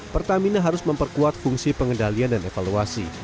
pertamina harus memperkuat fungsi pengendalian dan evaluasi